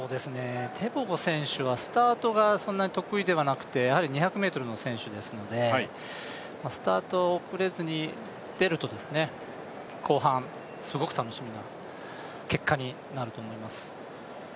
テボゴ選手はスタートがそんなに得意ではなくて、やはり２００ｍの選手ですので、スタート遅れずに出ると後半、すごく楽しみな結果になると思います。